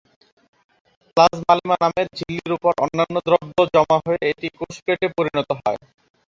Plasmalemma নামের ঝিল্লির ওপর অন্যান্য দ্রব্য জমা হয়ে এটি কোষপ্লেটে পরিণত হয়।